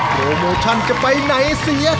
โปรโมชั่นจะไปไหนเสีย